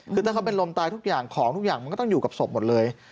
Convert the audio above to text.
คือถ้าเขาเป็นลมตายทุกอย่างของทุกอย่างมันก็ต้องอยู่กับศพหมดเลย